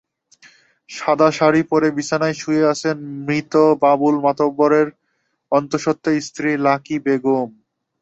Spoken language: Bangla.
সাদা শাড়ি পরে বিছানায় শুয়ে আছেন মৃত বাবুল মাতবরের অন্তঃসত্ত্বা স্ত্রী লাকি বেগম।